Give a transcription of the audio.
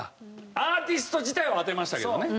アーティスト自体は当てましたけどね。